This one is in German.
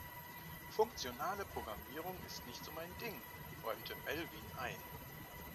Funktionale Programmierung ist nicht so mein Ding, räumte Melvin ein.